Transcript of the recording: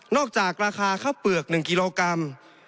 จากราคาข้าวเปลือก๑กิโลกรัม